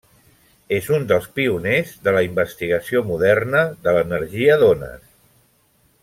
És un dels pioners de la investigació moderna de l'energia d'ones.